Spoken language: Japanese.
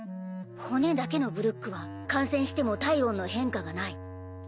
骨だけのブルックは感染しても体温の変化がない。